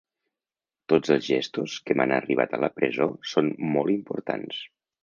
Tots els gestos que m’han arribat a la presó són molt importants.